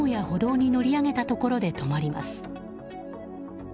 歩道に乗り上げたところで止まります。